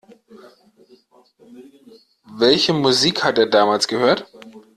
Welche Musik hat er damals gehört?